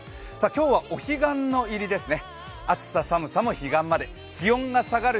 今日はお彼岸の入りですね。